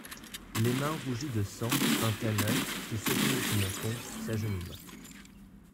Les mains rougies de sang, un tanneur, qui soutenait son menton, s'agenouilla.